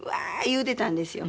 言うてたんですよ。